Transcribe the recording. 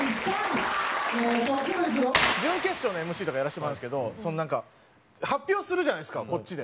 準決勝のＭＣとかやらせてもらうんですけどそのなんか発表するじゃないですかこっちで。